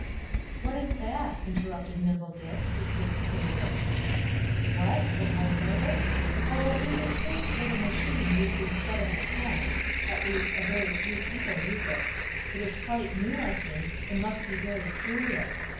"What is that?" interrupted Nimble Dick, his face curious. "What? A type writer? Oh, it is a strange little machine used instead of the pen at least, a very few people use it. It is quite new, I think, and must be very curious.